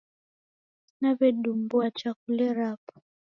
Naw'edumbua chakule rapo.